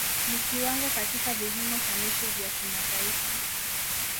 Ni kiwango katika vipimo sanifu vya kimataifa.